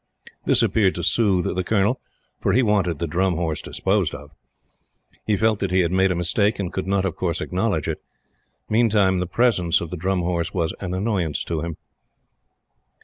This appeared to soothe the Colonel, for he wanted the Drum Horse disposed of. He felt that he had made a mistake, and could not of course acknowledge it. Meantime, the presence of the Drum Horse was an annoyance to him.